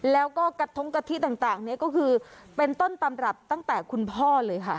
แล้วก็กระทงกะทิต่างเนี่ยก็คือเป็นต้นตำรับตั้งแต่คุณพ่อเลยค่ะ